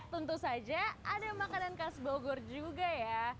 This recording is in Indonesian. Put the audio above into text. tentu saja ada makanan khas bogor juga ya